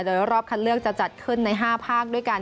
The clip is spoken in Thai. โดยรอบคัดเลือกจะจัดขึ้นใน๕ภาคด้วยกัน